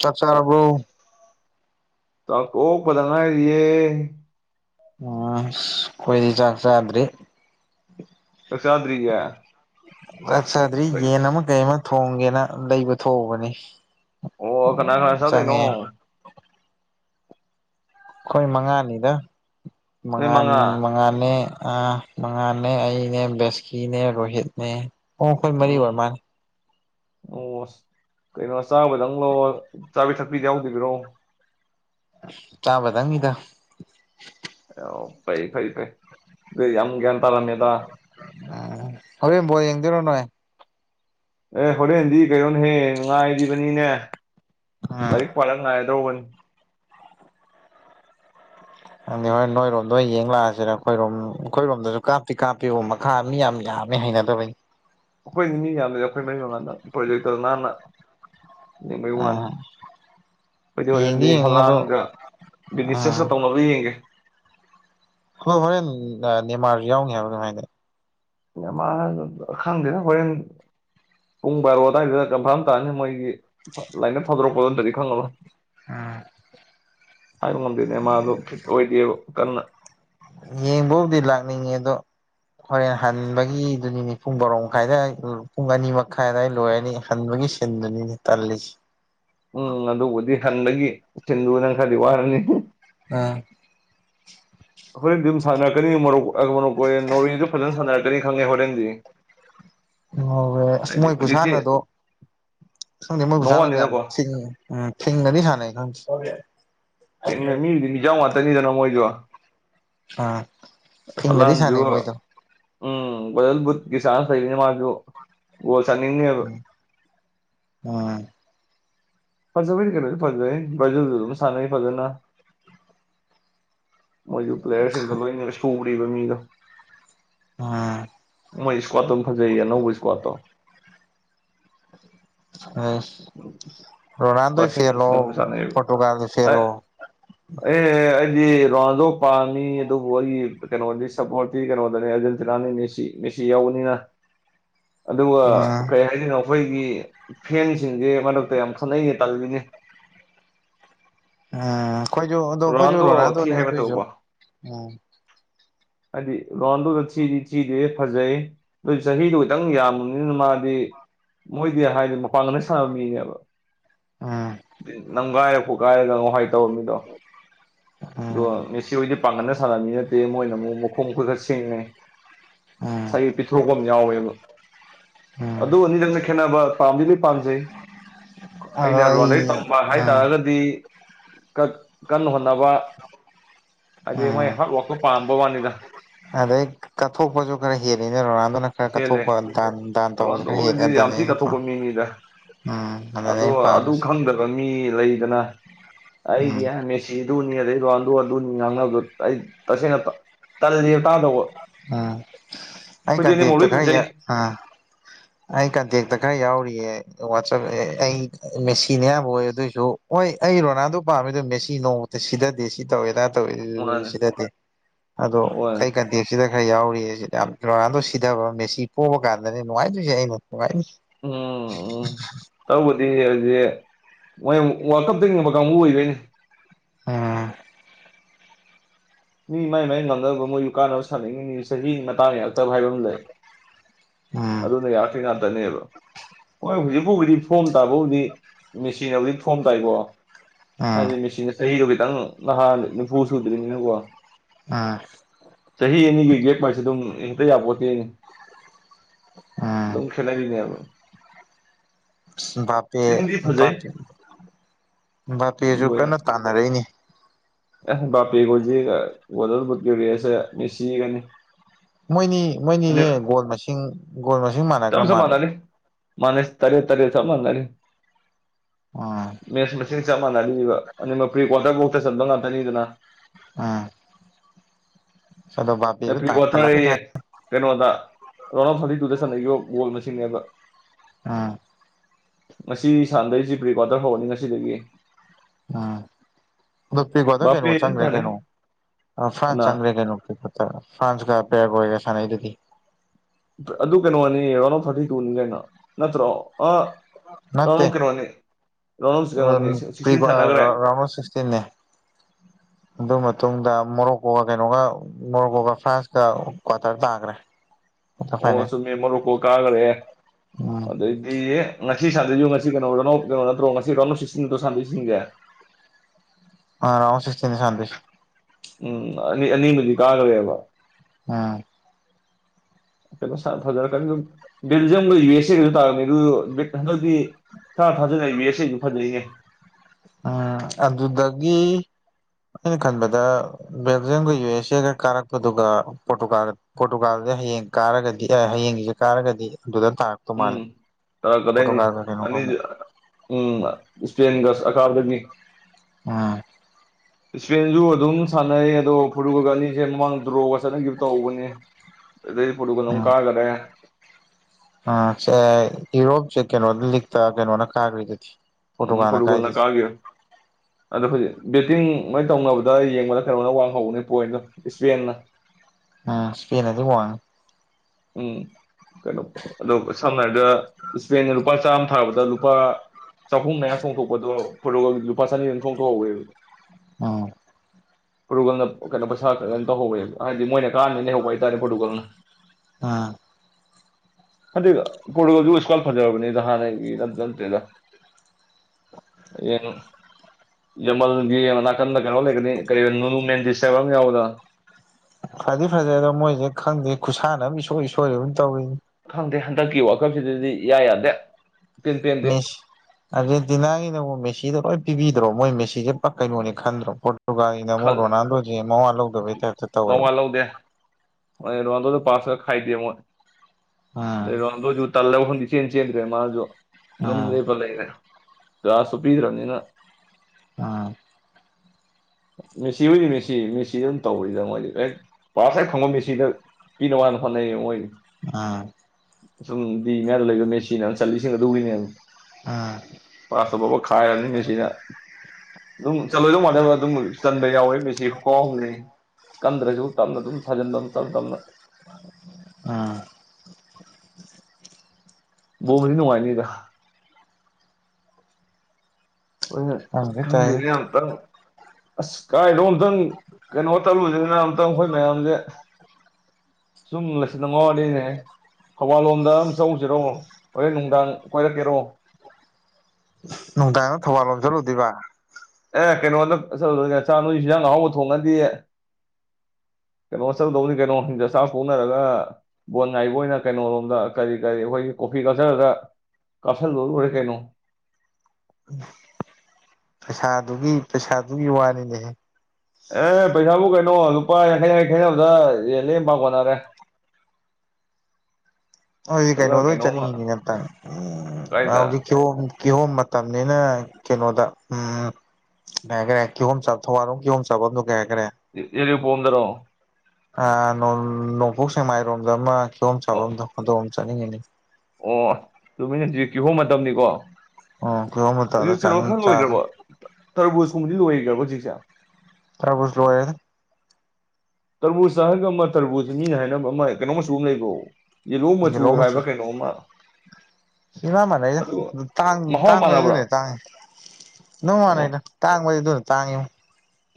ꯆꯥꯛ ꯆꯥꯔꯕ꯭ꯔꯣ ꯆꯥꯛ ꯇꯣꯛꯄꯗ ꯉꯥꯏꯔꯤꯌꯦ ꯑꯁ ꯑꯩꯈꯣꯏꯗꯤ ꯆꯥꯛ ꯆꯥꯗ꯭ꯔꯤ ꯆꯥꯛ ꯆꯥꯗ꯭ꯔꯤꯌꯦ ꯆꯥꯛ ꯆꯥꯗ꯭ꯔꯤ ꯀꯩꯅꯣ ꯌꯦꯟ ꯑꯃ ꯀꯩ ꯑꯃ ꯊꯣꯡꯒꯦꯅ ꯂꯩꯕ ꯊꯣꯛꯎꯕꯅꯤ ꯑꯣ ꯀꯅꯥ ꯀꯅꯥ ꯆꯪꯉꯦ ꯆꯥꯗꯣꯏꯅꯣ ꯑꯩꯈꯣꯏ ꯃꯉꯥꯅꯤꯗ ꯅꯣꯏ ꯃꯉꯥꯟ ꯃꯉꯥ ꯃꯉꯥꯟꯅꯦ ꯑ ꯃꯉꯥꯟꯅꯦ ꯑꯩꯅꯦ ꯕꯦꯁꯀꯤꯅꯦ ꯔꯣꯍꯤꯠꯅꯦ ꯑꯣ ꯑꯩꯈꯣꯏ ꯃꯔꯤ ꯑꯣꯏꯔ ꯃꯥꯟꯅꯦ ꯑꯣꯁ ꯀꯩꯅꯣ ꯆꯥꯕꯗꯪ ꯂꯣꯑꯣ ꯆꯥꯕꯤ ꯊꯛꯄꯤꯗꯤ ꯌꯥꯎꯗꯕꯤꯔꯣ ꯆꯥꯕꯗꯪꯅꯤꯗ ꯑꯣ ꯐꯩ ꯐꯩ ꯐꯩ [unintelligible] ꯌꯥꯝ ꯒ꯭ꯌꯥꯟ ꯇꯥꯔꯝꯃꯦꯗ [unintelligible] ꯍꯣꯔꯦꯟ ꯕꯣꯜ ꯌꯦꯡꯗꯣꯏꯔꯣ ꯅꯣꯏ ꯑꯦ ꯍꯣꯔꯦꯟꯦꯟꯗꯤ ꯀꯩꯅꯣꯅꯦꯍꯦ ꯉꯥꯏꯔꯤꯕꯅꯤꯅꯦ ꯎꯝ ꯂꯥꯏꯔꯤꯛ ꯄꯥꯔꯒ ꯉꯥꯏꯗꯣꯔꯕꯅꯤ ꯈꯪꯗꯦ ꯍꯣꯔꯦꯟ ꯅꯣꯏꯔꯣꯝꯗ ꯑꯣꯏꯅ ꯌꯦꯡ ꯂꯥꯛꯑꯁꯤꯔꯥ ꯑꯩꯈꯣꯏꯔꯣꯝ ꯑꯩꯈꯣꯏꯔꯣꯝꯗꯁꯨ ꯀꯥꯞꯇꯤ ꯀꯥꯞꯄꯦꯕ ꯃꯛ ꯈꯥ ꯃꯤ ꯌꯥꯝ ꯌꯥꯝꯃꯦ ꯍꯩꯅꯗꯕꯩꯅꯤ ꯑꯩꯈꯣꯏꯗꯤ ꯃꯤ ꯌꯥꯝꯗꯦꯗ ꯑꯩꯈꯣꯏ ꯃꯔꯤ ꯃꯉꯥꯗ ꯄ꯭ꯔꯣꯖꯦꯛꯇꯔ ꯅꯥꯟꯅ ꯌꯦꯡꯕꯩ ꯋꯥꯅꯤ꯫ ꯑꯥ ꯍꯥꯏꯣꯏꯗꯤ ꯌꯦꯡꯗꯤ ꯍꯣꯔꯦꯟꯗꯤ ꯌꯦꯡꯅꯤꯡꯉꯦ ꯑꯗꯣ ꯍꯂꯥꯟꯒ ꯕꯤꯅꯦ ꯑꯥ [unintelligible] ꯇꯧꯅꯕꯗꯨ ꯌꯦꯡꯒꯦ ꯍꯣꯏ ꯍꯣꯔꯦꯟ ꯅꯦꯃꯥꯔꯁꯨ ꯌꯥꯎꯅꯤ ꯍꯥꯏꯕꯔꯥ ꯀꯩꯅꯣꯝ ꯍꯥꯏꯗꯥꯏ ꯅꯦꯃꯥꯔ ꯈꯪꯗꯦꯗ ꯍꯣꯔꯦꯟ ꯄꯨꯡ ꯕꯥꯔꯣ ꯑꯗꯨꯋꯥꯏꯗꯨꯗ ꯀꯟꯐꯥꯔ꯭ꯃ ꯇꯥꯔꯅꯤ ꯃꯣꯏꯒꯤ ꯂꯥꯏꯟ ꯑꯞ ꯊꯥꯗꯣꯔꯛꯄꯗꯣ ꯅꯠꯇ꯭ꯔꯗꯤ ꯈꯡꯉꯔꯣꯏ ꯑꯥ ꯍꯥꯏꯕ ꯉꯝꯗꯦ ꯅꯦꯃꯥꯔꯗꯣ ꯐꯤꯠ ꯑꯣꯏꯗꯦꯕ ꯀꯟꯅ ꯌꯦꯡꯕꯕꯨꯗꯤ ꯂꯥꯛꯅꯤꯡꯉꯦ ꯑꯗꯣ ꯍꯣꯔꯦꯟ ꯍꯟꯕꯒꯤꯗꯨꯅꯤꯅꯦ ꯄꯨꯡ ꯕꯥꯔꯣ ꯃꯈꯥꯏꯗ ꯄꯨꯡ ꯑꯅꯤ ꯃꯈꯥꯏꯗꯋꯥ ꯂꯣꯏꯔꯅꯤ ꯍꯟꯕꯒꯤ ꯁꯤ [unintelligible] ꯇꯜꯂꯤꯁꯤ ꯎꯝ ꯑꯗꯨꯕꯨꯗꯤ ꯍꯟꯕꯒꯤ ꯁꯤꯟꯗꯨꯅꯪ ꯈꯔꯥꯥꯗꯤ ꯋꯥꯔꯅꯤ ꯑ ꯍꯣꯔꯦꯟꯗꯤ ꯑꯗꯨꯝ ꯁꯥꯟꯅꯔꯛꯀꯅꯤ ꯃꯣꯔꯣꯛ ꯃꯣꯔꯣꯀꯣꯌꯦ ꯅꯣꯔꯋꯦꯁꯨ ꯐꯖꯅ ꯁꯥꯟꯅꯔꯛꯀꯅꯤ ꯈꯪꯉꯦ ꯍꯣꯔꯦꯟꯗꯤ ꯑꯣ ꯑꯁ ꯍꯥꯏꯗꯤ ꯃꯣꯏ ꯍꯧꯖꯤꯛꯇꯤ ꯈꯨꯁꯥꯟꯅꯗꯣ ꯈꯪꯗꯦ ꯃꯣꯏ ꯈꯨꯁꯥꯟꯅꯗꯣ ꯌꯥꯝ ꯅꯣꯡꯋꯥꯟꯅꯤꯅꯀꯣ ꯐꯤꯡꯉꯤ ꯎꯝ ꯐꯤꯡꯅꯗꯤ ꯁꯥꯟꯅꯩ ꯈꯡꯗꯦ ꯀꯩꯅꯣ ꯃꯤꯗꯤ ꯍꯨꯏꯖꯥꯎ ꯉꯥꯇꯅꯤꯗꯅ ꯃꯣꯏꯖꯨ ꯑꯥ ꯊꯤꯡꯅꯗꯤ ꯍꯂꯥꯟꯖꯨ ꯁꯥꯟꯅꯩ ꯃꯣꯏꯗꯣ ꯎꯝ ꯒꯣꯜꯗꯟ ꯕꯨꯠ ꯀꯤ ꯆꯥꯟꯁ ꯂꯩꯕꯅꯤꯅ ꯃꯥꯖꯨ ꯒꯣꯜ ꯆꯟꯅꯤꯡꯅꯦꯕ ꯎꯝ ꯎꯝ ꯐꯖꯕꯩꯗꯤ ꯀꯩꯅꯣꯖꯨ ꯐꯖꯩ ꯕꯔꯖꯤꯜꯖꯨ ꯑꯗꯨꯝ ꯁꯥꯟꯅꯩ ꯐꯖꯅ ꯃꯣꯏꯖꯨ ꯄ꯭ꯂꯦꯌꯔꯁꯤꯡꯗꯣ ꯂꯣꯏꯅ ꯁꯨꯔꯤꯕ ꯃꯤꯗꯣ ꯑꯝ ꯃꯣꯏ ꯏꯁꯀ꯭ꯋꯥꯠꯇꯨꯝ ꯐꯖꯩꯌꯦ ꯑꯅꯧꯕ ꯏꯁꯀ꯭ꯋꯥꯠꯇꯣ ꯑꯁ ꯔꯣꯅꯥꯜꯗꯣꯏ ꯐꯦꯂꯣ ꯄꯥꯔꯁꯦꯟꯇꯦꯖꯇ ꯑꯗꯨꯝ ꯆꯥꯟꯅꯩꯕ ꯄꯣꯔꯇꯨꯒꯜꯒꯤ ꯑꯦ ꯐꯦꯂꯣ ꯑꯦ ꯑꯩꯗꯤ ꯔꯣꯅꯤꯜꯗꯣ ꯄꯥꯝꯃꯤ ꯑꯗꯨꯕꯨ ꯑꯩ ꯀꯩꯅꯣꯗꯤ ꯁꯞꯄ꯭ꯔꯣꯛꯇꯤ ꯀꯩꯅꯣꯗꯅꯤ ꯑꯦꯔꯖꯦꯟꯇꯤꯅꯥꯅꯤꯅꯦ ꯁꯤ ꯃꯦꯁꯤ ꯌꯥꯎꯕꯅꯤꯅ [inaudible] ꯑꯗꯨꯒ ꯎꯝ ꯀꯩ ꯍꯥꯏꯗꯅꯣ ꯑꯩꯈꯣꯏꯒꯤ ꯐꯦꯟꯁꯤꯡꯖꯦ ꯃꯔꯛꯇ ꯌꯥꯝ ꯈꯠꯅꯩꯅꯦ ꯇꯜꯂꯤꯅꯦ ꯑꯥ ꯑꯩꯈꯣꯏꯁꯨ ꯑꯗꯨ ꯑꯩꯈꯣꯏꯁꯨ ꯔꯣꯅꯥꯜꯗꯣ ꯊꯤ ꯔꯣꯅꯥꯜꯗꯣꯅꯦ ꯍꯥꯏꯕ ꯑꯗꯨꯏꯖꯨ ꯅꯠꯇꯕꯀꯣ ꯎꯝ ꯍꯥꯏꯗꯤ ꯔꯣꯅꯥꯜꯗꯣꯗꯣ ꯊꯤꯗꯤ ꯊꯤꯗꯦ ꯐꯖꯩ ꯑꯗꯣꯏ ꯆꯍꯤꯗꯨ ꯈꯤꯇꯪ ꯌꯥꯝꯃꯕꯅꯤꯅ ꯃꯥꯗꯤ ꯃꯣꯏꯗꯤ ꯍꯥꯏꯗꯤ ꯃꯄꯥꯡꯒꯜꯅ ꯁꯥꯟꯅꯕ ꯃꯤꯅꯦꯕ ꯎꯝ [unintelligible] ꯇꯧꯔꯝꯃꯤꯗꯣ ꯎꯝ ꯑꯗꯨꯒ ꯃꯦꯁꯤ ꯍꯣꯏꯗꯤ ꯄꯥꯡꯒꯟꯅ ꯁꯥꯟꯅꯕ ꯃꯤꯅꯠ ꯄꯤꯔꯦ ꯃꯣꯏꯅ ꯑꯃꯨꯛ ꯃꯈꯣꯡ ꯈꯔ ꯁꯤꯡꯉꯦ ꯎꯝ ꯉꯁꯥꯏꯒꯤ ꯄꯤꯊꯣꯔꯣꯛꯄ ꯑꯃ ꯌꯥꯎꯋꯦꯕ ꯎꯝ ꯑꯗꯨ ꯑꯅꯤꯗꯪꯗ ꯈꯦꯠꯅꯕ ꯄꯥꯝꯗꯤ ꯂꯣꯏ ꯄꯥꯝꯖꯩ ꯑꯗꯣ ꯑꯩꯅ ꯑꯩ ꯔꯣꯟꯗꯩ ꯇꯝꯕ ꯍꯥꯏ ꯑꯥ ꯇꯥꯔꯒꯗꯤ ꯀꯛ ꯀꯟꯅ ꯍꯣꯠꯅꯕ [unintelligible] ꯍꯥꯏꯗꯤ ꯃꯣꯏ ꯎꯝ ꯍ꯭ꯔꯥꯗ ꯋꯥꯛꯇꯣ ꯄꯥꯝꯕꯩ ꯋꯥꯅꯤꯗ ꯑꯗꯩ ꯀꯠꯊꯣꯛꯄꯖꯨ ꯈꯔ ꯍꯦꯜꯂꯤꯅꯦ ꯔꯣꯅꯥꯜꯗꯣꯅ ꯈꯔ ꯀꯠꯊꯣꯛꯄ ꯗꯥꯟ ꯗꯥꯟ ꯇꯧꯕꯁꯨ ꯔꯣꯅꯥꯟꯗꯣ ꯈꯔ ꯍꯦꯜꯂꯦ ꯍꯣꯏꯗꯤ ꯌꯥꯝ ꯑꯗꯨꯅꯦ ꯊꯤ ꯑꯩꯅ ꯄꯥꯝ ꯀꯠꯊꯣꯛꯄ ꯃꯤꯅꯤꯗ ꯎꯝ ꯑꯗꯨꯅꯦ ꯑꯗꯣ ꯑꯩꯅ ꯑꯗꯨ ꯄꯥꯝꯃꯤꯁꯦ ꯈꯪꯗꯅ ꯕ ꯃꯤ ꯂꯩꯗꯅ ꯑꯩꯗꯤ ꯎꯝ ꯑ ꯃꯦꯁꯤ ꯑꯗꯨꯅꯤ ꯑꯗꯩ ꯔꯣꯅꯥꯟꯗꯣ ꯑꯗꯨꯅꯤ ꯉꯥꯡꯅꯕꯗꯣ ꯑꯩ ꯇꯁꯦꯡ ꯇꯥ ꯇꯜꯂꯤꯌꯦ ꯇꯥꯗꯧꯕ ꯎꯝ ꯑꯩꯈꯣꯏꯗꯤ ꯑꯅꯤꯃꯛ ꯂꯣꯏ ꯐꯖꯩ ꯍꯥ ꯑꯩ ꯀꯟꯇꯦꯛꯇ ꯈꯔ ꯌꯥꯎꯔꯤꯌꯦ ꯋꯥꯆꯞ ꯑꯦ ꯑꯩ ꯃꯦꯁꯤꯅ ꯑꯌꯥꯝꯕ ꯑꯣꯏ ꯑꯗꯣꯏꯖꯨ ꯍꯣꯏ ꯑꯩ ꯔꯣꯅꯥꯜꯗꯣ ꯄꯥꯝꯃꯤ ꯑꯗꯣ ꯃꯦꯁꯤ ꯅꯣꯡꯃꯥꯇ ꯁꯤꯗꯗꯤ ꯁꯤ ꯇꯧꯋꯦ ꯑꯗꯥ ꯇꯧꯌꯦꯗꯨ ꯃꯥꯅꯦ ꯁꯤꯗꯗꯦ ꯑꯗꯣ ꯍꯣꯏ ꯀꯩ ꯀꯟꯇꯦꯛꯁꯤꯗ ꯈꯔ ꯌꯥꯎꯔꯤꯌꯦ ꯁꯤꯗ ꯌꯥꯝ ꯇ꯭ꯔꯣꯅꯥꯜꯗꯣ ꯁꯤꯗꯕ ꯃꯦꯁꯤ ꯄꯣꯛꯕ ꯀꯥꯟꯗꯅꯤ ꯅꯨꯡꯉꯥꯏꯗꯣꯏꯖꯦ ꯑꯩꯅ ꯅꯨꯡꯉꯥꯏꯅꯤ ꯎꯝ ꯎꯝ ꯇꯧꯕꯨꯗꯤ ꯑꯗꯨꯗꯤ ꯃꯣꯏ ꯋꯥ꯭ꯔꯜ ꯀꯞꯇ ꯌꯦꯡꯅꯤꯡꯕ ꯀꯥꯡꯕꯨ ꯑꯣꯏꯗꯣꯏꯅꯤ ꯑꯥ ꯃꯤ ꯃꯥꯏ ꯃꯥꯏ ꯉꯝꯅꯅꯕ ꯃꯣꯏꯖꯨ ꯀꯥꯟꯅꯕ ꯁꯥꯟꯅꯤꯡꯉꯤꯅꯤ ꯆꯍꯤ ꯃꯇꯥꯡ ꯌꯥꯔꯛꯇꯕ ꯍꯥꯏꯕ ꯑꯃ ꯂꯩ ꯎꯝ ꯑꯗꯨꯅ ꯌꯥꯔꯛꯇ꯭ꯔꯤ ꯉꯥꯛꯇꯅꯦꯕ ꯍꯣꯏ ꯍꯧꯖꯤꯛꯄꯨꯒꯤꯗꯤ ꯐꯣꯔꯝ ꯇꯥꯕꯕꯨꯗꯤ ꯃꯦꯁꯤꯅꯕꯨꯗꯤ ꯐꯣꯔꯝ ꯇꯥꯏꯀꯣ ꯎꯝ ꯍꯥꯏꯗꯤ ꯃꯦꯁꯤꯅ ꯆꯍꯤꯗꯣ ꯈꯤꯇꯪ ꯅꯍꯥꯟ ꯅꯤꯐꯨ ꯁꯨꯗ꯭ꯔꯤꯅꯤꯅꯀꯣ ꯑꯥ ꯆꯍꯤ ꯑꯅꯤꯒꯤ ꯒꯦꯞ ꯀꯥꯏꯁꯦ ꯑꯗꯨꯝ ꯍꯦꯛꯇ ꯌꯥꯄꯣꯇꯦꯅꯦ ꯑꯗꯨꯝ ꯎꯝ ꯈꯦꯅꯕꯤꯅꯦꯕ ꯑꯁ ꯕꯥꯄꯦ ꯇꯤꯝꯗꯤ ꯐꯖꯩ ꯕꯥꯛꯀꯤ ꯕꯥꯄꯦꯁꯨ ꯂꯣꯏꯅ ꯀꯟꯅ ꯇꯥꯟꯅꯔꯛꯏꯅꯦ ꯑꯦ ꯕꯥꯄꯦꯒꯣꯖꯤ ꯒꯣꯜꯗꯟꯕꯨꯠꯀꯤ ꯔꯦꯁꯦ ꯃꯦꯁꯤꯒꯅꯤ ꯃꯣꯏꯅꯤ ꯃꯣꯏꯅꯤꯖꯦ ꯒꯣꯜ ꯃꯁꯤꯡ ꯒꯣꯜ ꯃꯁꯤꯡ ꯃꯥꯟꯅ ꯆꯞ ꯆꯞ ꯃꯥꯟꯅꯅꯤ ꯃꯥꯟꯅꯩ ꯇꯔꯦꯠ ꯇꯔꯦꯠ ꯆꯞ ꯃꯥꯟꯅꯔꯤ ꯎꯝ ꯃꯦꯁ ꯃꯁꯤꯡ ꯆꯞ ꯃꯥꯟꯅꯔꯤꯕ ꯑꯅꯤꯃꯛ ꯄ꯭ꯔꯤ ꯀ꯭ꯋꯥꯇꯔ ꯕꯛꯇ ꯆꯟꯕ ꯉꯥꯛꯇꯅꯤꯗꯅ ꯑꯥ ꯁꯗꯣꯕꯤꯁꯨ ꯄ꯭ꯔꯤ ꯇ ꯂ ꯀ꯭ꯋꯥꯇꯔꯌꯦ [unintelligible] ꯀꯩꯅꯣꯗ ꯔꯣꯅꯞ ꯁꯗꯤꯗꯨꯗꯁꯟꯅꯈꯤꯕꯣ ꯒꯣꯜ ꯃꯁꯤꯡꯅꯦꯕ [inaudible] ꯎꯝ ꯉꯁꯤ ꯁꯥꯟꯗꯣꯢꯁꯦ ꯄ꯭ꯔꯤꯀ꯭ꯋꯥꯇꯔ ꯍꯧꯔꯅꯤ ꯉꯁꯤꯗꯒꯤ ꯎꯝ ꯑꯗꯣ ꯄ꯭ꯔꯤꯀ꯭ꯋꯥꯇꯔ ꯕꯥꯄꯦ ꯀꯩꯅꯣ ꯆꯪꯈ꯭ꯔꯦ ꯁꯥꯟꯅꯩ ꯀꯩꯅꯣ ꯐ꯭ꯔꯥꯟꯁ ꯀꯅꯥ ꯆꯪꯈ꯭ꯔꯦ ꯀꯩꯅꯣ ꯄꯤꯛꯄꯗ ꯑ ꯐ꯭ꯔꯥꯟꯁꯒ ꯄꯦꯔ ꯒ ꯁꯅ ꯑꯗꯨꯗꯤ [inaudible] ꯑꯗꯨ ꯀꯩꯅꯣꯅꯤ ꯊꯥꯔꯇꯤ ꯇꯨꯅꯤ ꯀꯩꯅ ꯅꯠꯇ꯭ꯔꯣ [inaudible] ꯑꯣ ꯂꯃ ꯅꯠꯇꯦ ꯀꯩꯅꯣꯅꯤ ꯂꯃꯨꯛꯁꯨ ꯀꯩꯅꯣꯅꯤ ꯁꯤꯛꯇꯤꯟ ꯁꯥꯟꯅꯈ꯭ꯔꯦ [inaudible] ꯁ [inaudible] ꯆꯤꯟꯅꯦ ꯑꯗꯨ ꯃꯇꯨꯡꯗ ꯃꯣꯔꯣꯛꯀꯣꯒ ꯀꯩꯅꯣꯒ ꯃꯣꯔꯣꯛꯀꯣꯒ ꯐ꯭ꯔꯥꯟꯁꯀ ꯀ꯭ꯋꯥꯇꯔ ꯇꯥꯈ꯭ꯔꯦ ꯀ꯭ꯋꯥꯇꯔ ꯑꯣ ꯐꯥꯏꯅꯦꯜ ꯆꯨꯝꯃꯦ ꯃꯣꯔꯣꯛꯀꯣ ꯀꯥꯈ꯭ꯔꯦ ꯎꯝ ꯑꯗꯩꯗꯤ ꯉꯁꯤ ꯁꯥꯟꯅꯣꯏꯌꯨ ꯉꯁꯤ ꯀꯩꯅꯣ ꯔꯅꯥꯎ ꯀꯩꯅꯣ ꯅꯠꯇ꯭ꯔꯣ ꯉꯁꯤ ꯔꯥꯎꯟ ꯑꯣꯐ ꯁꯤꯛꯁꯇꯤꯟ ꯅꯠꯇ꯭ꯔꯣ ꯁꯥꯟꯅꯣꯏꯁꯤꯡꯁꯦ [inaudible] ꯑ ꯔꯥꯎꯟ ꯁꯤꯁꯅꯤ ꯁꯟꯦꯁ [inaudible] ꯎꯝ ꯑꯅꯤ ꯑꯅꯤꯃꯗꯤ ꯀꯥꯈ꯭ꯔꯦꯕ ꯑꯥ ꯀꯩꯅꯣ ꯐꯖꯔꯛꯀꯅꯤ ꯑꯗꯨꯝ ꯕꯦꯜꯖꯤꯌꯝꯒ ꯌꯨ ꯑꯦꯁ ꯑꯦꯒꯁꯨ ꯇꯥꯔꯝꯅꯤ ꯑꯗꯨ ꯍꯟꯗꯛꯇꯤ [inaudible] ꯏꯊꯥ ꯊꯥꯖꯅ ꯏꯕꯤꯁ ꯑꯩꯁꯨ ꯐꯖꯩꯉꯦ [inaudible] ꯎꯝ ꯑꯗꯨꯗꯒꯤ ꯑꯩꯅ ꯈꯟꯕꯗ ꯕꯦꯜꯖꯤꯌꯝꯒ ꯌꯨ ꯑꯦꯁ ꯑꯦꯒ ꯀꯥꯔꯛꯄꯗꯨꯒ ꯄꯣꯔꯇꯨꯒꯜ ꯄꯣꯔꯇꯨꯒꯜꯁꯦ ꯍꯌꯦꯡ ꯀꯥꯔꯒꯗꯤ ꯑꯦ ꯍꯌꯦꯡꯒꯤꯁꯦ ꯀꯥꯔꯒꯗꯤ ꯑꯗꯨꯗ ꯇꯥꯅꯤ ꯎꯝ ꯇꯥꯔꯛꯀꯗꯣꯏꯅꯦ ꯀꯩꯅꯣꯒ ꯑꯃꯨꯛ ꯑꯅꯤꯗꯨꯗ ꯎꯝ ꯁ꯭ꯄꯦꯟꯒ ꯑꯀꯥꯕꯗꯒꯤ ꯑꯥ ꯁ꯭ꯄꯦꯟꯁꯨ ꯑꯗꯨꯝ ꯁꯥꯟꯅꯩ ꯑꯗꯣ ꯄꯣꯔꯇꯨꯒꯜꯒ ꯑꯅꯤꯁꯦ ꯃꯃꯥꯡ ꯗ꯭ꯔꯣꯒ ꯆꯠꯅꯈꯤꯒꯨꯝ ꯇꯧꯕꯅꯦ ꯑꯗꯩꯗꯤ ꯄꯣꯔꯇꯨꯒꯜ ꯑꯃꯨꯛ ꯀꯥꯒꯔꯦ ꯑ ꯁꯦ ꯌꯨꯔꯣꯞꯁꯦ ꯀꯩꯅꯣ ꯂꯤꯛꯇ ꯀꯩꯅꯣꯅ ꯀꯥꯈ꯭ꯔꯤꯗꯨꯗꯤ ꯎꯝ ꯄꯣꯔꯇꯨꯒꯥꯜꯅ ꯐꯠꯒꯣꯜꯅ ꯀꯥꯏꯗꯨꯗꯤ ꯀꯥꯒꯦꯣ [inaudible] ꯑꯗꯣ ꯍꯧꯖꯤꯛ ꯕꯦꯇꯤꯡ ꯃꯣꯏ ꯇꯧꯅꯕꯗ ꯌꯦꯡꯕꯗ ꯀꯩꯅꯣꯅ ꯋꯥꯡꯍꯧꯕꯅꯦ ꯄꯣꯏꯟꯗꯣ ꯁ꯭ꯄꯦꯟꯅ ꯎꯝ ꯁ꯭ꯄꯦꯟꯅ ꯑꯗꯨꯝ ꯋꯥꯡꯉꯦ ꯎꯝ ꯀꯩꯅꯣ ꯑꯗꯣ ꯁꯝꯅ ꯍꯥꯏꯔꯕꯗ ꯁ꯭ꯄꯦꯟꯅ ꯂꯨꯄꯥ ꯆꯥꯝꯃ ꯊꯥꯕꯗ ꯂꯨꯄꯥ ꯆꯍꯨꯝ ꯃꯌꯥ ꯆꯣꯡꯊꯣꯛꯄꯗꯣ ꯄꯣꯔꯇꯨꯒꯜꯒꯤ ꯂꯨꯄꯥ ꯆꯅꯤꯗꯪ ꯆꯣꯡꯊꯣꯛꯍꯧꯋꯦꯕ ꯎꯝ ꯄꯣꯔꯇꯨꯒꯜꯅ ꯀꯩꯅꯣ ꯄꯩꯁꯥ ꯀ ꯇꯧꯍꯧꯋꯦꯕ ꯍꯥꯏꯗꯤ ꯃꯣꯏꯅ ꯀꯥꯔꯅꯤꯅ ꯂꯩꯍꯧꯕ ꯍꯥꯏꯇꯥꯔꯦ ꯄꯣꯔꯇꯨꯒꯜꯅ ꯑꯥ ꯍꯟꯗꯤ ꯄꯣꯔꯇꯨꯒꯜꯒꯤ ꯑꯣꯏ ꯁꯀꯥꯜ ꯐꯖꯔꯕꯅꯤꯅ ꯍꯥꯟꯅꯒꯤ ꯅꯇ ꯅꯠꯇꯦꯗ [inaudible] ꯌꯦꯝꯕꯜꯗꯤ [inaudible] ꯀꯟꯅ ꯀꯩꯅꯣ ꯂꯩꯒꯅꯤ ꯀꯔꯤꯣꯅꯨ ꯃꯦꯟꯗꯤꯁꯇꯕ ꯑꯃ ꯌꯥꯎꯕꯗ [inaudible] ꯐꯗꯤ ꯐꯖꯩ ꯑꯗꯣ ꯃꯣꯏꯁꯦ ꯈꯪꯗꯦ ꯈꯨꯠꯁꯥꯟꯅ ꯑꯃ ꯏꯁꯣꯏ ꯏꯁꯣꯏꯕ ꯑꯃ ꯇꯧꯋꯦꯅꯦ ꯈꯪꯗꯦ ꯍꯟꯗꯛꯀꯤ ꯋꯥꯜꯗ ꯀꯞꯁꯤꯗꯗꯤ ꯏꯌꯥ ꯌꯥꯗꯦ ꯏꯄꯦꯟ ꯄꯦꯟꯗꯦ ꯃꯦꯁꯤ ꯑꯥꯔꯖꯦꯟꯇꯤꯅꯥꯒꯤꯅ ꯃꯦꯁꯤꯗꯣ ꯂꯣꯏ ꯄꯤꯕꯤꯗ꯭ꯔꯣ ꯃꯣꯏ ꯃꯦꯁꯤꯁꯦ ꯀꯩꯅꯣꯅꯦ ꯈꯟꯗ꯭ꯔꯣ ꯄꯣꯔꯇꯨꯒꯜꯒꯤꯅ ꯑꯃꯨꯛ ꯈꯜꯂꯦ ꯔꯣꯅꯥꯜꯗꯣꯁꯦ ꯃꯋꯥ ꯂꯧꯗꯕꯩ ꯇꯥꯏꯞꯇ ꯇꯧꯋꯦꯕ ꯇ ꯔꯗ ꯄꯁ ꯈꯥꯏꯗ ꯃ ꯎꯝ ꯔꯣ [inaudible] ꯇꯜꯂꯕ ꯈꯪꯗꯦ ꯏꯆꯦꯟ ꯆꯦꯟꯗ꯭ꯔꯦ ꯃꯥꯁꯨ ꯑꯗꯨꯝ ꯎꯝ ꯂꯦꯞꯄ ꯂꯩꯔꯦ ꯆꯥꯟꯁꯁꯨ ꯄꯤꯗ꯭ꯔꯕꯅꯤꯅ ꯑꯥ ꯃꯦꯁꯤ ꯍꯣꯏꯗꯤ ꯃꯦꯁꯤ ꯃꯦꯁꯤꯗ ꯑꯗꯨꯝ ꯇꯧꯋꯤꯗ ꯃꯣꯏꯗꯤ ꯍꯦꯛ ꯄꯥꯁ ꯍꯦꯛ ꯐꯪꯕ ꯃꯦꯁꯤꯗ ꯄꯤꯅꯕ ꯍꯥꯟꯅ ꯍꯣꯠꯅꯩꯌꯦ ꯃꯣꯏꯗꯤ ꯑꯥ ꯁꯨꯝ ꯗꯤ ꯃꯌꯥꯗ ꯂꯩꯕ ꯃꯦꯁꯤꯅ ꯑꯃ ꯆꯜꯂꯤꯁꯤꯡꯗꯨ ꯑꯗꯨꯒꯤꯅꯦꯕ ꯑꯥ ꯄꯥꯁꯇꯨ ꯐꯠ ꯐꯠ ꯈꯥꯏꯔꯕꯅꯤꯅ ꯃꯦꯁꯤꯅ ꯑꯗꯨꯝ ꯆꯜꯂꯣꯏꯗꯧ ꯃꯥꯟꯂꯒ ꯑꯗꯨꯝ ꯆꯟꯗ ꯌꯥꯎꯋꯤ ꯃꯦꯁꯤ ꯈꯨꯀꯥꯎ ꯑꯃ ꯂꯩꯌꯦ ꯀꯟꯗ꯭ꯔꯁꯨ ꯇꯞꯅ ꯑꯗꯨꯝ ꯊꯥꯖꯤꯟꯕ ꯇꯞ ꯇꯞꯅ ꯑꯥ ꯕꯣꯜꯗꯤ ꯅꯨꯡꯉꯥꯏꯅꯤꯗ ꯑ [unintelligible] ꯈꯪꯗꯦ ꯇꯧꯔꯤꯁꯦ ꯈꯪꯗꯦꯅꯦ ꯌꯥꯝ ꯑꯝꯇꯪ ꯑꯁ ꯀꯥꯏꯗꯅꯣ ꯑꯝꯇꯪ ꯀꯩꯅꯣ ꯆꯠꯂꯨꯁꯤꯗꯅ ꯑꯝꯇꯪ ꯑꯩꯈꯣꯏ ꯃꯌꯥꯝꯁꯦ [unintelligible] ꯁꯨꯝ ꯂꯩꯁꯤꯟꯗ ꯉꯥꯎꯔꯅꯤꯅꯦꯍꯦ ꯊꯧꯕꯥꯜꯂꯣꯝꯗ ꯑꯝ ꯆꯧꯁꯤꯔꯣ ꯍꯣꯔꯦꯟ ꯅꯨꯡꯗꯥꯡ ꯀꯣꯏꯔꯛꯀꯦꯔꯣ ꯅꯨꯡꯗꯥꯡꯗ ꯊꯧꯕꯥꯜ ꯂꯣꯝ ꯆꯠꯂꯨꯗꯣꯏꯕ ꯑꯦ ꯀꯩꯅꯣꯗ ꯆꯠꯂꯨꯗꯣꯏꯅꯤ ꯆꯥꯛ ꯅꯣꯏꯁꯨ ꯍꯦꯟꯖꯥꯡ ꯑꯍꯥꯎꯕ ꯊꯣꯡꯉꯗꯤ ꯀꯩꯅꯣ ꯆꯠꯂꯨꯗꯧꯅꯤ ꯀꯩꯅꯣ ꯆꯥꯛ [unintelligible] ꯇꯣꯛꯅꯔꯒ ꯕꯣꯟ ꯉꯥꯏꯕ ꯑꯣꯏꯅ ꯀꯩꯅꯣꯔꯣꯝꯗ ꯀꯔꯤ ꯀꯔꯤ ꯑꯩꯈꯣꯏꯒꯤ ꯀꯣꯐꯤꯀꯜꯆꯔꯗ ꯀꯥꯞꯁꯜꯂꯨꯔ ꯂꯣꯏꯔꯦ ꯀꯩꯅꯣ ꯄꯩꯁꯥꯗꯨꯒꯤ ꯄꯩꯁꯥꯗꯨꯒꯤ ꯋꯥꯅꯤꯅꯦꯍꯦ ꯑꯦ ꯄꯩꯁꯥꯕꯨ ꯀꯩꯅꯣ ꯂꯨꯄꯥ ꯌꯥꯡꯈꯩ ꯌꯥꯡꯈꯩ ꯈꯥꯏꯅꯕꯗ ꯂꯦꯝ ꯄꯥꯅ ꯀꯣꯟꯅꯔꯦ ꯑꯩꯗꯤ ꯆꯠꯂꯒ ꯀꯩꯅꯣꯗ ꯑꯣꯏꯅ ꯀꯩꯅꯣꯝꯃ ꯆꯅꯤꯡꯉꯤꯅꯦ ꯅꯠꯇ ꯀꯥꯏꯗ [unintelligible] ꯎ [unintelligible] ꯀꯤꯍꯣꯝ ꯀꯤꯍꯣꯝ ꯃꯇꯝꯅꯤꯅ ꯀꯩꯅꯣꯗ ꯎꯝ ꯀꯩ ꯍꯥꯏꯒ꯭ꯔꯦ ꯀꯤꯍꯣꯝ ꯆꯥꯕꯝ ꯊꯧꯕꯥꯜꯂꯣꯝ ꯀꯤꯍꯣꯝ ꯆꯥꯕꯝꯗꯣ ꯀ ꯩꯍꯥꯏꯒ꯭ꯔꯦ ꯑꯦꯔꯤ ꯄꯣꯝꯗꯔꯣ ꯑꯥ ꯅꯣꯡ ꯅꯣꯡꯄꯣꯛ ꯁꯦꯡꯃꯥꯏꯔꯣꯝꯗ ꯑꯃ ꯀꯤꯌꯣꯝ ꯑꯣ ꯆꯥꯐꯝꯗꯣ ꯑꯗꯣꯝꯗ ꯆꯠꯅꯤꯡꯉꯤꯅꯤ ꯑꯣ ꯆꯨꯃꯤꯅꯦ ꯍꯧꯖꯤꯛ ꯀꯤꯍꯣꯝ ꯃꯇꯝꯅꯤꯀꯣ ꯎꯝ ꯀꯤꯍꯣꯝ ꯃꯇꯝꯗ ꯍꯧꯖꯤꯛ ꯀꯩꯅꯣ ꯆꯥꯅꯤꯡ ꯈꯔ ꯆꯥꯁꯦ ꯂꯣꯏꯈ꯭ꯔꯕꯣ ꯇꯔꯕꯨꯁꯀꯨꯝꯕꯗꯤ ꯂꯣꯏꯈ꯭ꯔꯕꯣ ꯍꯧꯖꯤꯛꯁꯦ ꯇꯔꯕꯨꯁ ꯂꯣꯏꯈ꯭ꯔꯦ ꯇꯔꯕꯨꯁ ꯍꯥꯏꯔꯒ ꯑꯃ ꯇꯔꯕꯨꯁ ꯃꯤꯅ ꯍꯥꯏꯅꯕ ꯑꯃ ꯀꯩꯅꯣ ꯃꯆꯨ ꯑꯃ ꯂꯩꯕ꯭ꯔꯣ ꯌꯦꯜꯂꯣ ꯃꯆꯨ ꯍꯥꯏꯕ꯭ꯔ ꯀꯩꯅꯣꯝꯃ ꯏꯃꯥꯟ ꯃꯥꯟꯅꯩꯗ ꯑꯗꯨ ꯇꯥꯡ ꯃꯍꯥꯎ ꯇꯥꯡꯕꯗꯤ ꯑꯗꯨꯅ ꯍꯦꯟꯅ ꯃꯥꯟꯅꯕ꯭ꯔꯣ ꯇꯥꯡꯉꯦ ꯏꯃꯥꯟ ꯃꯥꯟꯅꯩꯗ ꯑꯣ ꯇꯥꯡꯕꯗꯤ ꯑꯗꯨꯅ ꯇꯥꯡꯉꯦꯉꯣ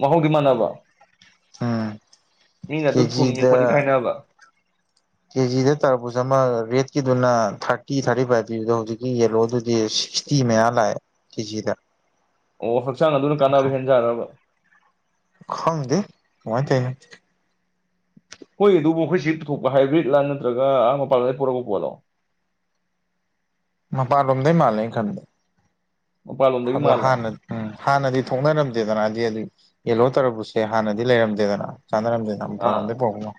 ꯃꯍꯥꯎꯗꯤ ꯃꯥꯟꯅꯕ ꯎꯝ ꯃꯤꯅ ꯑꯗꯨꯅ ꯊꯨꯝꯃꯤ ꯈꯣꯠꯂꯤꯀꯥ ꯀꯦꯖꯤꯗ ꯍꯥꯏꯅꯕ ꯀꯦꯖꯤꯗ ꯇꯔꯕꯨꯁ ꯑꯃ ꯔꯦꯠꯀꯤꯗꯨꯅ ꯊꯥꯔꯇꯤ ꯊꯥꯔꯇꯤ ꯐꯥꯏꯚ ꯄꯤꯕꯗꯣ ꯍꯧꯖꯤꯛꯀꯤ ꯌꯦꯜꯂꯣꯗꯨꯗꯤ ꯁꯤꯛꯁ ꯇꯤ ꯃꯌꯥ ꯂꯥꯛꯑꯦ ꯀꯦꯖꯤꯗ ꯑꯣ ꯍꯛꯆꯥꯡ ꯑꯗꯨꯅ ꯀꯥꯟꯅꯕ ꯍꯦꯟꯖꯥꯠꯂꯥꯕ ꯈꯪꯗꯦ ꯀꯃꯥꯏ ꯇꯧꯔꯤꯅꯣ ꯃꯣꯏꯒꯤꯗꯨꯕꯨ ꯑꯩꯈꯣꯏꯁꯤ ꯄꯨꯊꯣꯛꯄ ꯍꯥꯏꯕ꯭ꯔꯤꯠꯂꯥ ꯅꯠꯇ꯭ꯔꯒ ꯑꯥ ꯃꯄꯥꯥꯟꯗꯒꯤ ꯄꯨꯔꯛꯄ ꯄꯣꯠꯂꯣ ꯃꯄꯥꯟꯂꯣꯝꯗꯩ ꯃꯥꯜꯂꯦ ꯑꯩꯅ ꯈꯟꯕꯗ ꯃꯄꯥꯟꯂꯣꯝꯗꯒꯤ ꯑꯗꯨ ꯃꯥꯜꯂꯦ ꯍꯥꯟꯅ ꯎꯝ ꯍꯥꯟꯅꯗꯤ ꯊꯣꯛꯅꯔꯝꯗꯦꯗꯅ ꯍꯥꯏꯗꯤ ꯑꯗꯨ ꯌꯦꯂꯣ ꯇꯔꯕꯨꯁꯁꯦ ꯍꯥꯟꯅꯗꯤ ꯂꯩꯔꯝꯗꯦꯗꯅ ꯆꯥꯟꯅꯔꯝꯗꯦꯗ ꯅꯝꯕ [unintelligible] ꯑꯥ ꯄꯥꯔꯗꯗꯤꯦꯕꯣ [unintelligible]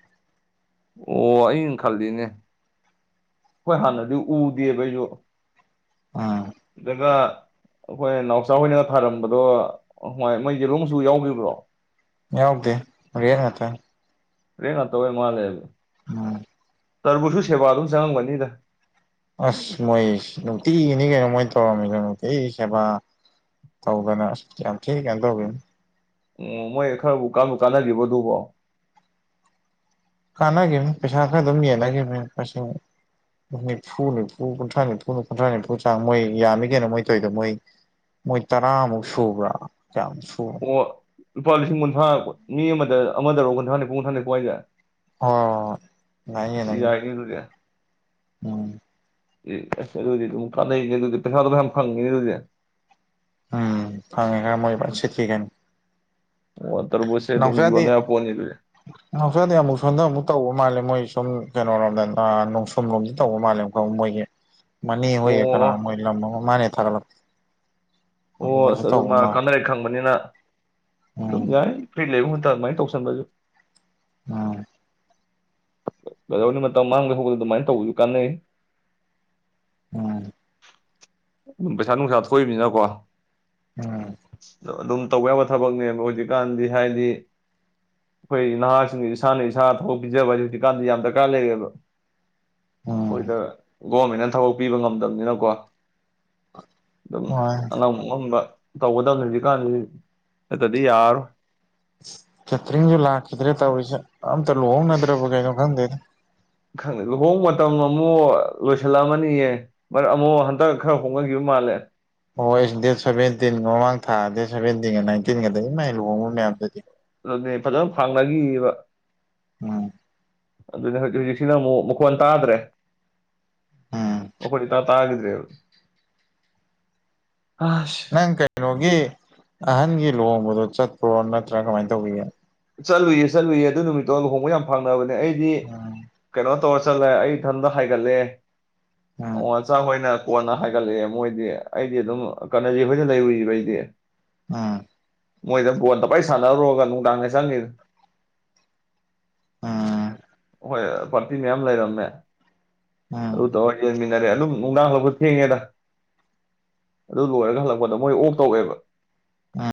ꯑꯣ ꯑꯩꯅ ꯈꯜꯂꯤꯅꯦ ꯍꯣꯏ ꯍꯥꯟꯅꯗꯤ ꯎꯗꯦꯕ ꯑꯩꯁꯨ ꯎꯝ ꯁꯤꯗꯒ ꯑꯩꯈꯣꯏ ꯅꯥꯎꯆꯥ ꯍꯣꯏꯅꯒ ꯊꯥꯔꯝꯕꯗꯣ ꯃꯣꯏ ꯌꯦꯂꯣ ꯃꯆꯨ ꯌꯥꯎꯈꯤꯕ꯭ꯔꯣ ꯌꯥꯎꯗꯦ ꯔꯦꯠ ꯉꯥꯛꯇꯅꯤ ꯔꯦꯠ ꯉꯥꯛꯇ ꯑꯣꯏ ꯃꯥꯜꯂꯦ ꯑꯣ ꯇꯔꯕꯨꯁꯨ ꯁꯦꯕꯥ ꯑꯗꯨꯝ ꯆꯪꯉꯝꯒꯅꯤꯗ ꯑꯁ ꯃꯣꯏ ꯅꯨꯡꯇꯤꯅꯤ ꯀꯩꯅꯣ ꯃꯣꯏ ꯇꯧꯔꯝꯃꯤꯗ ꯅꯨꯡꯇꯤꯒꯤ ꯁꯦꯕꯥ ꯇꯧꯗꯅ ꯌꯥꯝ ꯊꯤ ꯀꯦꯅ ꯇꯧꯕꯤꯨ ꯎ ꯃꯣꯏ ꯈꯔꯕꯨ ꯀꯥꯟꯕꯨ ꯀꯥꯟꯅꯈꯤꯕꯗꯨꯕꯣ ꯀꯥꯟꯅꯈꯤꯕꯅꯤ ꯄꯩꯁꯥ ꯈꯔ ꯑꯗꯨꯝ ꯌꯦꯟꯅꯈꯤꯕꯅꯤ꯫ ꯅꯤꯐꯨ ꯅꯤꯐꯨ ꯀꯨꯟꯊ꯭ꯔꯥ ꯅꯤꯐꯨ ꯀꯨꯟꯊ꯭ꯔꯥ ꯅꯤꯐꯨ ꯆꯥꯡ ꯃꯣꯏ ꯌꯥꯝꯃꯤ ꯀꯩꯅꯣ ꯃꯣꯏ ꯇꯧꯏꯗꯣ ꯃꯣꯏ꯫ ꯃꯣꯏ ꯇꯔꯥꯃꯨꯛ ꯁꯨꯕ꯭ꯔꯥ ꯀ꯭ꯌꯥꯃꯨꯛ ꯁꯨ꯫ ꯑꯣ ꯂꯨꯄꯥ ꯂꯤꯁꯤꯡ ꯀꯨꯟꯊ꯭ꯔꯥ ꯃꯤ ꯑꯃꯗ ꯑꯃꯗꯔꯣꯑꯣ ꯀꯨꯟꯊ꯭ꯔꯥ ꯅꯤꯐꯨ ꯀꯨꯟꯊ꯭ꯔꯥ ꯅꯤꯐꯨ ꯍꯥꯢꯖꯦ꯫ ꯑꯣ ꯅꯌꯦ ꯅꯌꯦ ꯌꯥꯏꯅꯦ ꯑꯗꯨꯗꯤ ꯎꯝ꯫ ꯑꯦ ꯑꯁ ꯑꯗꯨꯗꯤ ꯑꯗꯨꯝ ꯀꯥꯟꯅꯩꯅꯦ ꯑꯗꯨꯗꯤ ꯄꯩꯁꯥꯗꯣꯌꯥꯝ ꯐꯪꯉꯦꯅꯦ ꯑꯗꯨꯗꯤ꯫ ꯎꯝ ꯐꯪꯉꯦ ꯈꯔ ꯃꯣꯏ ꯐ ꯁꯤꯠꯂꯤ ꯀꯩꯅꯣ꯫ ꯑꯣ ꯇꯔꯕꯨꯖꯁꯦ ꯑꯗꯨꯝ ꯌꯣꯟ ꯌꯥ ꯄꯣꯠꯅꯤ ꯑꯗꯨꯗꯤ꯫ ꯁꯣꯗ ꯑꯃꯨꯛ ꯁꯣꯝꯗꯅ ꯑꯃꯨꯛ ꯇꯧꯕ ꯃꯥꯜꯂꯦ ꯃꯣꯏ ꯁꯨꯝ ꯀꯩꯅꯔꯣꯝꯗ ꯑ ꯅꯣꯡꯁꯨꯝꯂꯣꯝꯗ ꯇꯧꯕ ꯃꯥꯜꯂꯦ ꯑꯃꯨꯛ꯫ ꯃꯣꯏꯒꯤ ꯃꯅꯤ ꯍꯣꯏꯒꯤ ꯀꯅꯥ ꯑꯣ ꯃꯣꯏ ꯂꯝ ꯑꯃ ꯃꯥꯅꯦ ꯍꯦꯛ ꯊꯥꯒꯠꯂꯛ꯫ ꯑꯣ ꯑꯁ ꯑꯗꯨ ꯃꯥ ꯀꯥꯅꯔꯦ ꯈꯪꯕꯅꯤꯅ ꯑꯗꯨꯝ ꯎꯝ ꯌꯥꯏ ꯐ꯭ꯔꯤ ꯂꯩꯕꯕꯨꯗꯤ꯫ ꯈꯔ ꯑꯗꯨꯃꯥꯏ ꯇꯧꯁꯜꯂꯖꯨ꯫ ꯎꯝ꯫ ꯀꯗꯧꯅꯤ ꯃꯇꯝ ꯃꯥꯡꯅꯕ ꯑꯣꯢ ꯑꯗꯨꯃꯥꯏꯅ ꯇꯧꯕꯁꯨ ꯀꯥꯟꯅꯩ꯫ ꯎꯝ꯫ ꯑꯗꯨꯝ ꯄꯩꯁꯥ ꯅꯨꯡꯁꯥ ꯊꯣꯛꯏꯕꯅꯤꯅꯀꯣ꯫ ꯎꯝ꯫ ꯑꯗꯨꯝ ꯇꯧꯕ ꯌꯥꯕ ꯊꯕꯛꯅꯦꯕ ꯍꯧꯖꯤꯛꯀꯥꯟꯗꯤ ꯍꯥꯏꯗꯤ꯫ ꯑꯩꯈꯣꯏ ꯅꯍꯥꯁꯤꯡ ꯏꯁꯥꯅ ꯏꯁꯥꯗ ꯊꯕꯛ ꯄꯤꯖꯕ ꯍꯥꯏ ꯍꯧꯖꯤꯛꯀꯥꯟꯗꯤ ꯌꯥꯝ ꯗꯔꯀꯥꯔ ꯂꯩꯔꯦꯕ꯫ ꯎꯝ ꯍꯈꯣꯏꯗ ꯒꯣꯔꯃꯦꯟꯅ ꯊꯕꯛ ꯄꯤꯕ ꯉꯝꯗꯕꯅꯤꯅꯀꯣ꯫ ꯑꯗꯨꯃ꯫ ꯍꯣꯏ ꯑꯉꯝꯕ ꯑꯉꯝꯕ ꯇꯧꯒꯗꯕꯅꯤ ꯍꯧꯖꯤꯛꯀꯥꯟꯗꯤ ꯍꯦꯛꯇꯗꯤ ꯇꯠꯇꯔꯗ ꯌꯥꯔꯔꯣꯏ꯫ ꯀꯦꯇꯔꯤꯡꯁꯨ ꯂꯥꯛꯈꯤꯗ꯭ꯔꯦ ꯇꯧꯔꯤꯁꯦ ꯑꯝꯇ ꯂꯨꯍꯣꯡꯅꯗ꯭ꯔꯕ ꯀꯩꯅꯣ ꯈꯪꯗꯦꯗ꯫ ꯈꯪꯗꯦ ꯂꯨꯍꯣꯡ ꯃꯇꯝ ꯑꯃꯨꯛ ꯂꯣꯏꯁꯤꯜꯂꯛꯑꯃꯅꯤꯌꯦ꯫ ꯃꯔ ꯑꯃꯨꯛ ꯍꯟꯗꯛ ꯈꯔ ꯍꯣꯡꯅꯈꯤꯕ ꯃꯥꯜꯂꯦ꯫ ꯑꯣ ꯑꯩ ꯗꯦꯠ ꯁꯚꯦꯟꯇꯤꯟꯒ ꯃꯃꯥꯡ ꯊꯥ ꯗꯦꯠ ꯁꯚꯦꯟꯇꯤꯟꯒ ꯅꯥꯏꯟꯇꯤꯟꯒꯗ ꯏꯃꯥꯏ ꯂꯨꯍꯣꯡꯕ ꯃꯌꯥꯝꯗꯨꯗꯤ꯫ ꯑꯗꯨꯅꯦ ꯐꯖꯅ ꯐꯥꯡꯅꯈꯤꯑꯕ ꯎꯝ ꯑꯗꯨꯅꯦ ꯍꯧꯖꯤꯛ ꯍꯧꯖꯤꯛ꯫ ꯁꯤꯅ ꯑꯃꯨꯛ ꯃꯈꯣꯟ ꯇꯥꯗ꯭ꯔꯦ꯫ ꯎꯝ ꯃꯈꯣꯟ ꯏꯇꯥ ꯇꯈꯤꯗ꯭ꯔꯦ ꯫ ꯅꯪ ꯀꯩꯅꯣꯒꯤ ꯑꯍꯟꯒꯤ ꯂꯨꯍꯣꯡꯕꯗꯣ ꯆꯠꯄ꯭ꯔꯣ ꯅꯠꯇ꯭ꯔꯥ ꯀꯃꯥꯏꯅ ꯇꯧꯕꯤꯒꯦ꯫ ꯆꯠꯂꯨꯏ ꯆꯠꯂꯨꯏꯌꯦ ꯑꯗꯨ ꯅꯨꯃꯤꯠꯇꯣ ꯂꯨꯍꯣꯡꯕ ꯌꯥꯝ ꯐꯪꯅꯕꯅꯦ ꯑꯩꯗꯤ ꯎꯝ ꯀꯩꯅꯣ꯫ ꯇꯧꯔ ꯆꯠꯂꯦ ꯑꯩ ꯏꯊꯟꯇ ꯍꯥꯏꯒꯠꯂꯦ ꯎꯝ ꯑꯣ꯫ ꯃꯆꯥ ꯍꯣꯏꯅ ꯀꯣꯟꯅ ꯍꯥꯏꯒꯠꯂꯛꯑꯦ ꯃꯣꯏꯗꯤ ꯑꯩꯗꯤ ꯑꯗꯨꯝ ꯀꯅꯖꯤꯠ ꯍꯣꯏꯗ ꯂꯩꯔꯨꯏꯔꯤꯕ ꯑꯩꯗꯤ꯫ ꯑꯥ꯫ ꯃꯣꯏꯗ ꯕꯣꯗ ꯄꯩꯁꯥꯟꯅꯔꯨꯔꯒ ꯅꯨꯡꯗꯥꯡꯅ ꯆꯪꯉꯤꯗꯨ꯫ ꯍꯣꯏ ꯄꯥꯔꯇꯤ ꯃꯌꯥꯝ ꯂꯩꯔꯝꯃꯦ ꯎꯝ ꯎꯝ ꯑꯗꯨ ꯇꯧꯔ ꯌꯦꯡ꯫ [unintelligible] ꯑꯗꯨꯝ ꯅꯨꯡꯗꯥꯡ ꯍꯜꯂꯛꯄ ꯊꯦꯡꯉꯦꯗ ꯑꯗꯨ ꯂꯣꯏꯔꯒ ꯍꯜꯂꯛꯄꯗ ꯃꯣꯏ ꯑꯣꯛ ꯇꯧꯑꯦꯕ꯫ ꯑꯥ꯫